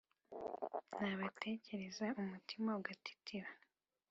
nabatekereza umutima ugatitira